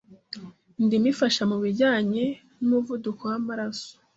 Indimu ifasha mu bijyanye n’umuvuduko w’amaraso